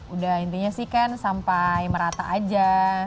udah intinya sih kan sampai merata aja